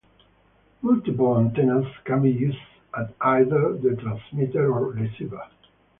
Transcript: Multiple antennas can be used at either the transmitter or receiver.